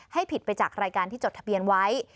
ให้ผิดไปจากรายการที่จดทะเบียนไว้